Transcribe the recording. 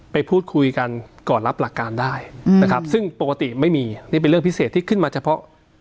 ไปพูดคุยกันก่อนรับหลักการได้นะครับซึ่งปกติไม่มีนี่เป็นเรื่องพิเศษที่ขึ้นมาเฉพาะ